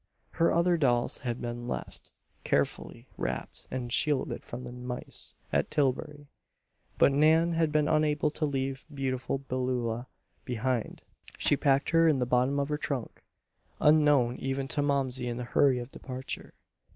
Her other dolls had been left, carefully wrapped and shielded from the mice, at Tillbury; but Nan had been unable to leave Beautiful Beulah behind. She packed her in the bottom of her trunk, unknown even to Momsey in the hurry of departure.